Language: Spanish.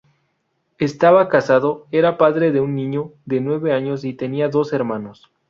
Estaba casado, era padre de un niño de nueve años y tenía dos hermanos.